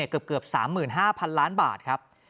เกือบ๓๕๐๐๐ล้านบาทครับ